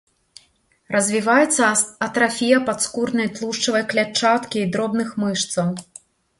Развіваецца атрафія падскурнай тлушчавай клятчаткі і дробных мышцаў.